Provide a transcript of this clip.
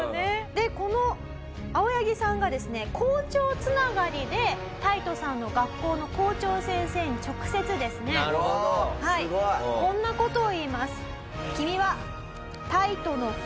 でこの青柳さんがですね校長繋がりでタイトさんの学校の校長先生に直接ですねこんな事を言います。